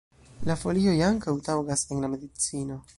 La folioj ankaŭ taŭgas en la medicino.